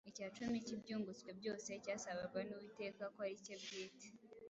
Icyacumi cy’ibyungutswe byose cyasabwaga n’Uwiteka ko ari icye bwite,